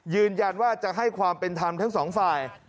ยืนยันว่าจะให้ความเป็นธรรมทั้งสองฝ่าย